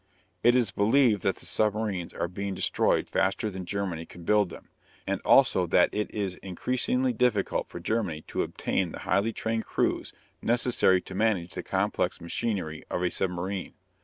It is believed that the submarines are being destroyed faster than Germany can build them, and also that it is increasingly difficult for Germany to obtain the highly trained crews necessary to manage the complex machinery of a submarine.